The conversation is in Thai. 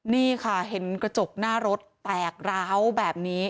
นี่ค่ะเห็นกระจกหน้ารถแตกร้าวแบบนี้